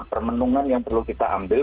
permenungan yang perlu kita ambil